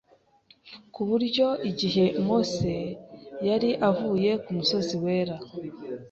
ku buryo igihe Mose yari avuye ku musozi wera